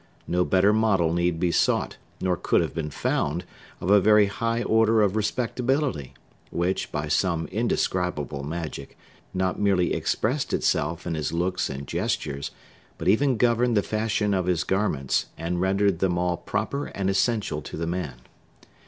No better model need be sought, nor could have been found, of a very high order of respectability, which, by some indescribable magic, not merely expressed itself in his looks and gestures, but even governed the fashion of his garments, and rendered them all proper and essential to the man.